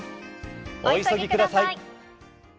お急ぎください。